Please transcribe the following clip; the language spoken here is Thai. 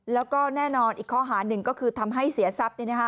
แล้วก็แน่นอนอีกข้อหาหนึ่งก็คือทำให้เสียทรัพย์